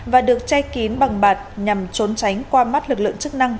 và được che kín bằng bạt nhằm trốn tránh qua mắt lực lượng chức năng